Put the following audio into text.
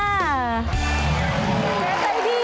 เจ๊ใจดี